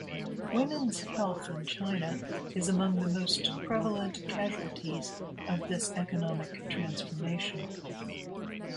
Women's health in China is among the most prevalent casualties of this economic transformation.